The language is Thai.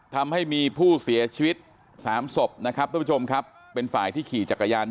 ทำให้มีผู้เสียชีวิต๓ศพนะครับเป็นฝ่ายที่ขี่จักรยาน